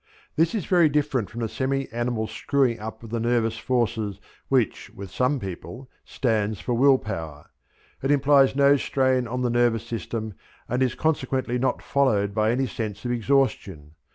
This is very different from the semi animal screwing up of the nervous forces which, with some people, stands for will power. It implies no strain on the nervous system and is consequently not followed by any sense of exhaustion.